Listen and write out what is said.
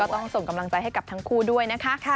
ต้องส่งกำลังใจให้กับทั้งคู่ด้วยนะคะ